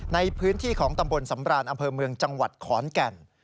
ในพื้นที่ของตำบลสำรานอำเภอเมืองจังหวัดขอนแก่น